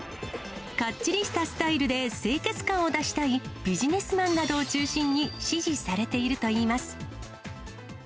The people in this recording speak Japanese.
かっちりしたスタイルで清潔感を出したいビジネスマンなどを中心に支持されているといいます。